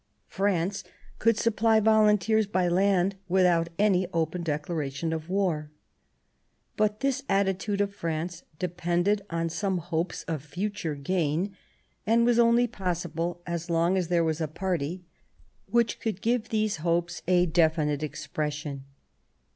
France could supply volunteers by land without any open declaration of war. But this attitude of France depended on some hopes of future gain, and was only possible so long as there was a party which could give these hopes a definite expres sion.